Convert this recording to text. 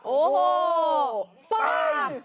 โอ้โหปึ้ง